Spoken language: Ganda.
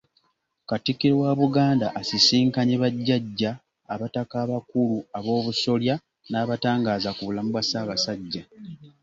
Katikkiro wa Buganda asisinkanye bajjajja abataka abakulu ab'obusolya n'abatangaaza ku bulamu bwa Ssaabasajja